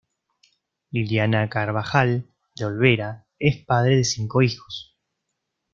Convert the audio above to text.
Liliana Carbajal de Olvera, es padre de cinco hijos.